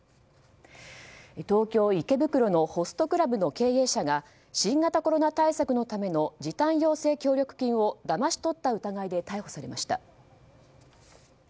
東京・池袋のホストクラブの経営者が新型コロナ対策のための時短要請協力金をだまし取った疑いで逮捕されました。